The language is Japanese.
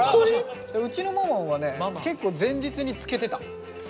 うちのママンはね結構前日につけてた。